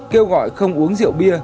kêu gọi không uống rượu bia